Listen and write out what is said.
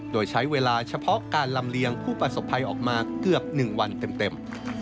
โดยใช้เวลาเฉพาะการลำเลียงผู้ประสบภัยออกมาเกือบ๑วันเต็ม